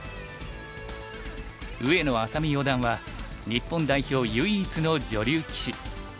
上野愛咲美四段は日本代表唯一の女流棋士。